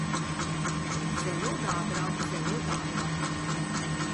Zelo dobro, zelo dobro.